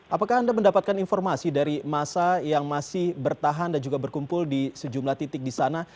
apakah anda mendapatkan informasi dari masa yang masih bertahan dan juga berkumpul di sejumlah titik di sana